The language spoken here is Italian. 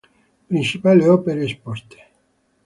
Principali opere esposte.